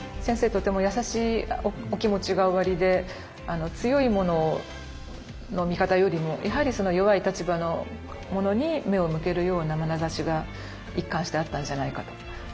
とても優しいお気持ちがおありで強い者の味方よりもやはり弱い立場の者に目を向けるような眼差しが一貫してあったんじゃないかと。